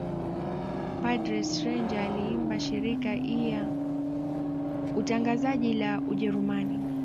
Padre Stenger aliiambia shirika ia utangazaji la Ujerumani